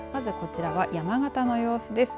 まずはこちらは山形の様子です。